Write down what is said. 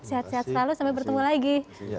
semoga kalian sehat selalu sampai bertemu lagi